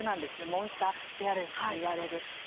モンスターペアレンツといわれる。